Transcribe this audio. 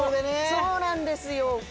そうなんですよ。